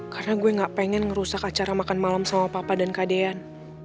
karena gue gak pengen ngerusak acara makan malam sama papa dan kak deyan